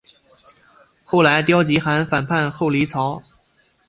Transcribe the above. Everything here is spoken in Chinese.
后来刁吉罕反叛后黎朝。